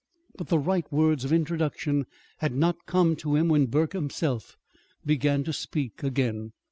But the right words of introduction had not come to him when Burke himself began to speak again.